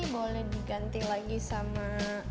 boleh diganti lagi sama